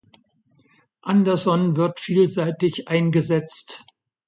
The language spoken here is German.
Anderson wird vielseitig eingesetzt.